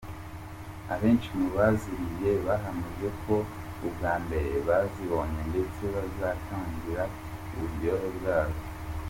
Abenshi mubaziriye bahamije ko ari ubwa mbere bazibonye ndetse batangarira uburyohe bwazo.